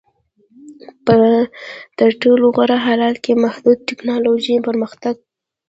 په تر ټولو غوره حالت کې محدود ټکنالوژیکي پرمختګونه پنځوي